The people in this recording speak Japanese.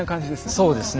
そうですね。